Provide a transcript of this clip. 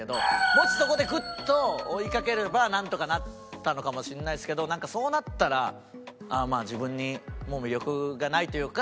もしそこでグッと追いかければなんとかなったのかもしれないですけどなんかそうなったら自分にもう魅力がないというか。